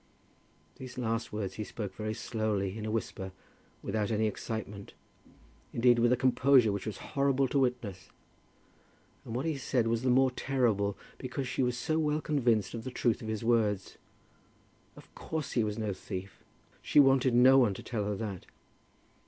These last words he spoke very slowly, in a whisper, without any excitement, indeed with a composure which was horrible to witness. And what he said was the more terrible because she was so well convinced of the truth of his words. Of course he was no thief. She wanted no one to tell her that.